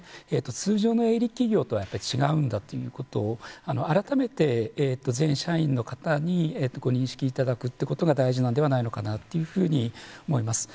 通常の営利企業とはやっぱり違うんだということを改めて、全社員の方にご認識いただくということが大事なのではないのかなと思います。